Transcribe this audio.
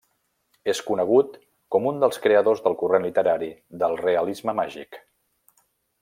És conegut com un dels creadors del corrent literari del realisme màgic.